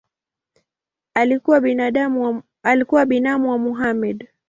Alikuwa binamu wa Mohamed.